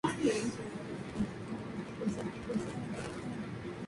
Poseía una cabeza relativamente pequeña y enormes garras.